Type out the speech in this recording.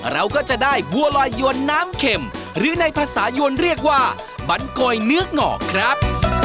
เราก็จะได้บัวลอยยวนน้ำเข็มหรือในภาษายวนเรียกว่าบันโกยเนื้องอกครับ